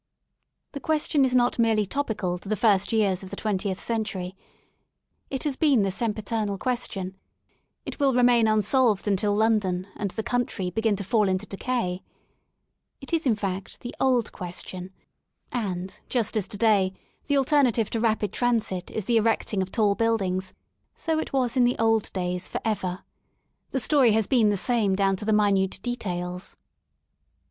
The question is not merely topical to the first years of the twentieth century j it has been the sempiternal question, it will remain unsolved until London and the country begin to fall into decay* It is, in fact, the old" question, and just as to day the alternative to rapid transit is the erecting of tall buildings, so it was in the old days for ever. The story has been the same down to the minute details.